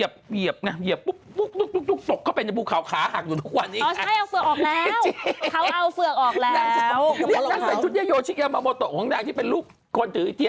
เยียบเยียบปุ๊บปุ๊บตก